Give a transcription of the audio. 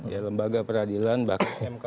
ya lembaga peradilan bahkan mk